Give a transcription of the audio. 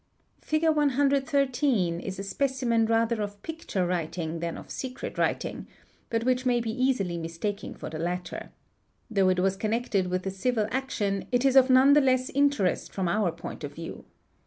Figure 113 (p. 596) is a specimen rather of picture writing than of secret writing, but which may be easily mistaken for the latter. Though _ it was connected with a civil action it is of none the less interest from our | point of view.